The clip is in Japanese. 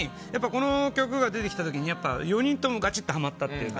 この曲が出てきたときに４人ともがちっとはまったというか。